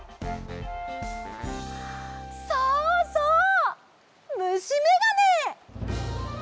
そうそうむしめがね！